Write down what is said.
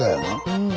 うん。